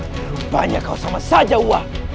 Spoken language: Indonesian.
rupanya kau sama saja wah